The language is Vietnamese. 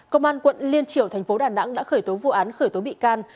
công an quận liên triểu thành phố đà nẵng đã khởi tố vụ án khởi tố bị can